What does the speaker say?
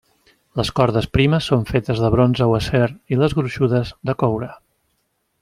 Les cordes primes són fetes de bronze o acer, i les gruixudes, de coure.